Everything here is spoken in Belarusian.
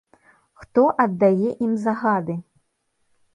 Хто аддае ім загады?